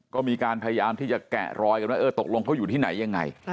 ก็มีการพยายามที่จะแกะรอยกันว่าเออตกลงเขาอยู่ที่ไหนยังไง